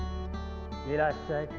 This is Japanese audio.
いらっしゃい。